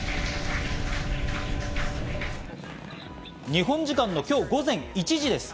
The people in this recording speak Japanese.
日本時間の今日午前１時です。